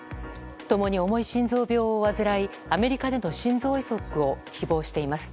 共に重い心臓病を患いアメリカでの心臓移植を希望しています。